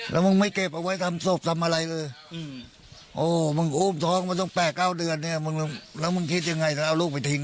อลมมึงไม่เก็บเอาไว้ทำศพทำอะไรอ่อมึงอ้มท้องมึงต้องแปะก้าวเดือนแน่มึงแล้วมึงคิดยังไงจะเอาลูกไปทิ้ง